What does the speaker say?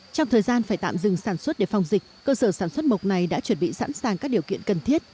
trong thời gian phải tạm dừng sản xuất để phòng dịch cơ sở sản xuất mộc này đã chuẩn bị sẵn sàng các điều kiện cần thiết